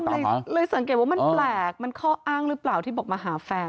ถูกจับเลยสังเกตว่ามันแปลกครอบค์อ้างรึเปล่าที่บอกมาหาแฟน